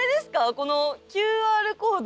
このＱＲコード。